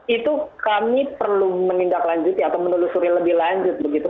itu kami perlu menindaklanjuti atau menelusuri lebih lanjut begitu